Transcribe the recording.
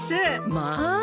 まあ。